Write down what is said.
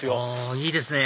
いいですね！